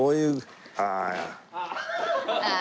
「ああ」。